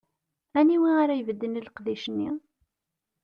Aniwi ara ibedden i leqdic-nni?